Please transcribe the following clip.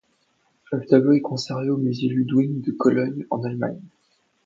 Le tableau est conservé au musée Ludwig de Cologne, en Allemagne.